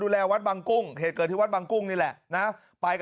เล่าเอาเล่า